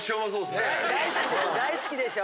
大好きでしょ？